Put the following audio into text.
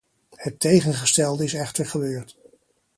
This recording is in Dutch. Het tegengestelde is echter gebeurd.